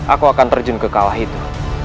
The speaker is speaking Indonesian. aku akan terjun ke kalah itu